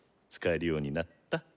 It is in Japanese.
使えるようになった？